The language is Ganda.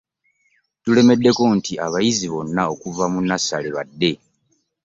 Tulemeddeko nti abayizi bonna okuva mu nassale bade.